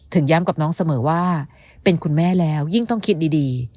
ย้ำกับน้องเสมอว่าเป็นคุณแม่แล้วยิ่งต้องคิดดี